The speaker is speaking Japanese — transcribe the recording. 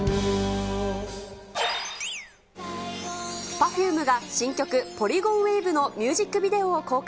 Ｐｅｒｆｕｍｅがポリゴンウェイヴのミュージックビデオを公開。